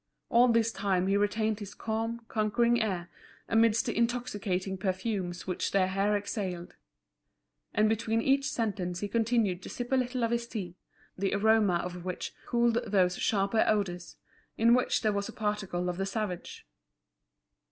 All this time he retained his calm, conquering air, amidst the intoxicating perfumes which their hair exhaled; and between each sentence he continued to sip a little of his tea, the aroma of which cooled those sharper odours, in which there was a particle of the savage.